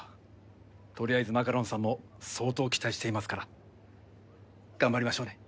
取りあえずマカロンさんも相当期待していますから頑張りましょうね。